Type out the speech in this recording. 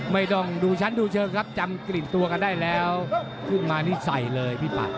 ไม่ต้องดูชั้นดูเชิงครับจำกลิ่นตัวกันได้แล้วขึ้นมานี่ใส่เลยพี่ปัด